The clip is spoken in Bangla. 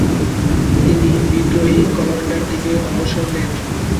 তিনি বিদ্রোহী কমান্ডার থেকে অবসর নেন।